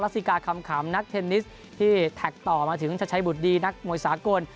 สิกาคำขำนักเทนนิสที่แท็กต่อมาถึงชัดชัยบุตรดีนักมวยสากล